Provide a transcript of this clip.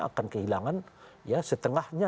akan kehilangan setengahnya